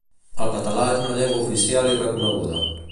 El català és una llengua oficial i reconeguda.